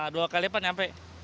dua kali lipat sampai